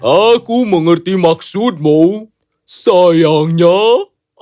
aku mengerti maksudmu sayangnya aku memiliki masalah yang sangat penting